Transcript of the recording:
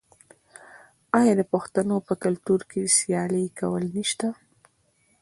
آیا د پښتنو په کلتور کې سیالي کول نشته؟